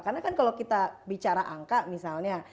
karena kan kalau kita bicara angka misalnya